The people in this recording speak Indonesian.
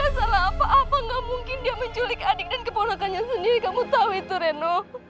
reno aku mohon reno dia gak salah apa apa gak mungkin dia menculik adik dan ponakannya sendiri kamu tahu itu reno